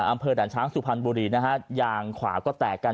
อำเครดันช้างสุพรรณบุรียางขวาก็แตกกัน